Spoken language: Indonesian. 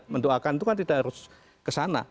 mendoakan itu kan tidak harus kesana